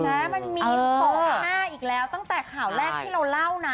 มันมีป๕อีกแล้วตั้งแต่ข่าวแรกที่เราเล่านะ